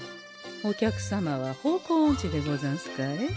お客様は方向おんちでござんすかえ？